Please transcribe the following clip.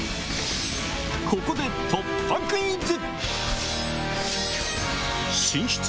ここで突破クイズ！